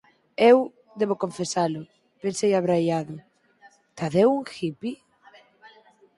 Eu, debo confesalo, pensei abraiado "¿Tadeu un hippy?